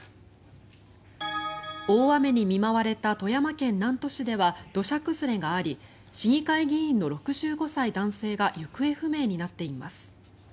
大雨に見舞われた富山県南砺市では土砂崩れがあり市議会議員の６５歳男性が行方不明になっています。